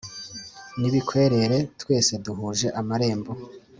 N'ibikwerere twese duhuje amarembo